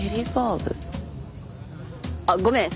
あっごめん。